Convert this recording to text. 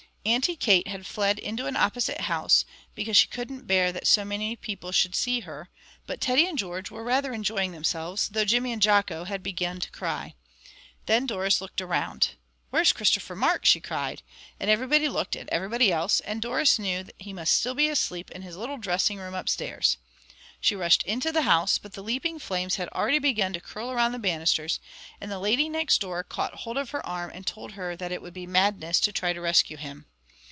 Auntie Kate had fled into an opposite house, because she couldn't bear that so many people should see her; but Teddy and George were rather enjoying themselves, though Jimmy and Jocko had begun to cry. Then Doris looked round, "Where's Christopher Mark?" she cried, and everybody looked at everybody else, and Doris knew that he must be still asleep in his little dressing room upstairs. She rushed into the house, but the leaping flames had already begun to curl round the banisters; and the lady next door caught hold of her arm and told her that it would be madness to try and rescue him.